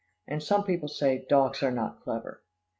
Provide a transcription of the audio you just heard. And some people say, dogs are not clever!